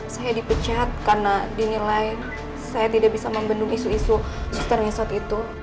saya dipecat karena dinilai saya tidak bisa membendung isu isu ster resort itu